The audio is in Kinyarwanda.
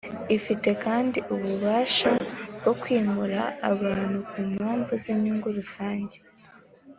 Ifite kandi ububasha bwo kwimura abantu ku mpamvu z’inyungu rusange.